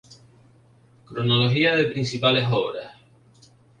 Cronología de principales obras